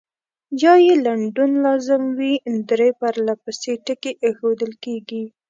یا یې لنډون لازم وي درې پرلپسې ټکي اېښودل کیږي.